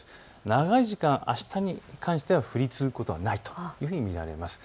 長い時間、あしたに関しては降り続くことはないというふうに見られます。